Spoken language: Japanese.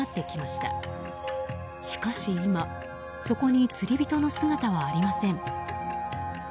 しかし今そこに釣り人の姿はありません。